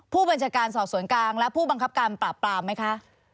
ผู้บัญชาการสอบสวนกลางและผู้บังคับการปราบปรามไหมคะ